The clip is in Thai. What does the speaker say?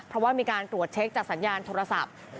เพราะว่ามีการตรวจเช็คจากสัญญาณโทรศัพท์